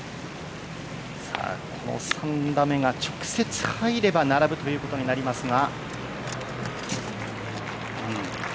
この３打目が直接入れば並ぶということになりますが。